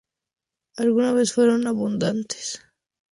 Alguna vez fueron abundantes.